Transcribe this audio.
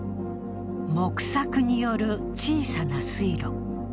木柵による小さな水路。